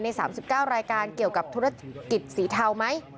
๓๙รายการเกี่ยวกับธุรกิจสีเทาไหม